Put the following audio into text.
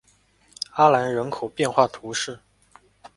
阿兰人口变化图示